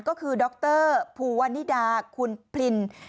ก็คือดรภูวานิดาคุณพลิน